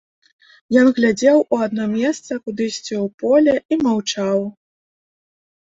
Ён глядзеў у адно месца, кудысьці ў поле, і маўчаў.